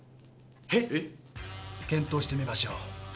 えっ？検討してみましょう。